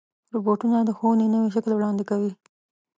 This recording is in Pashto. روبوټونه د ښوونې نوی شکل وړاندې کوي.